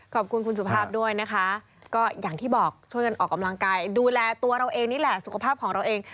ขอบคุณคุณสุภาพด้วยนะคะก็อย่างที่บอกช่วยกันออกกำลังกายดูแลตัวเราเองนี่แหละสุขภาพของเราเอง